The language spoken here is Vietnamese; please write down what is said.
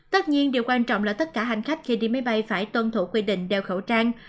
tất nhiên điều quan trọng là tất cả hành khách khi đi máy bay phải tuân thủ quy định đeo khẩu trang